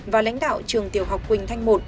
và lãnh đạo trường tiểu học quỳnh thanh i